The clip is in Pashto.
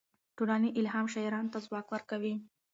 ټولنې الهام شاعرانو ته ځواک ورکوي.